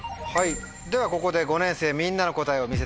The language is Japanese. ではここで５年生みんなの答えを見せてもらいましょう。